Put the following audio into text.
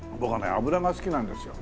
脂が好きなんですよ。